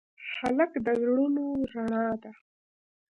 هلک د زړونو رڼا ده.